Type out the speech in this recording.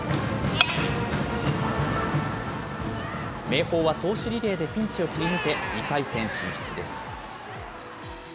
明豊は投手リレーでピンチを切り抜け、２回戦進出です。